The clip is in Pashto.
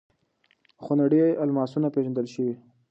خونړي الماسونه پېژندل شوي.